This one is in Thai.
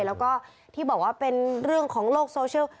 แล้วก็ที่บอกว่าเป็นเรื่องของโลกโซเชียล